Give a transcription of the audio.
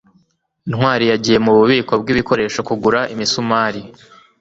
ntwali yagiye mububiko bwibikoresho kugura imisumari